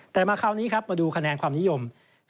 แต่มาคราวนี้ครับมาดูคะแนนความนิยม